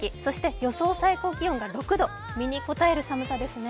予想最高気温が６度、身にこたえる寒さですね。